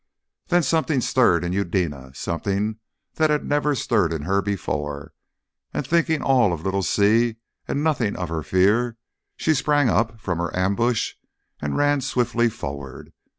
Then something stirred in Eudena; something that had never stirred in her before; and, thinking all of little Si and nothing of her fear, she sprang up from her ambush and ran swiftly forward.